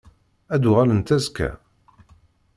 Ad d-uɣalent azekka?